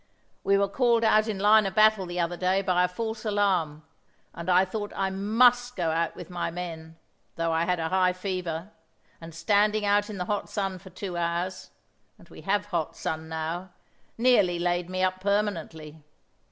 We were called out in line of battle the other day by a false alarm, and I thought I must go out with my men, though I had a high fever; and standing out in the hot sun for two hours (and we have hot sun now) nearly laid me up permanently.